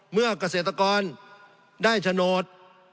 เมื่อกเกษตรกรได้ฉนด